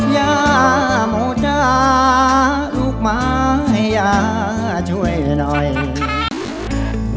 อย่าโหมดาลูกมายาช่วยหน่อย